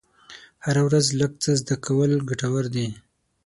هره ورځ لږ څه زده کول ګټور دي.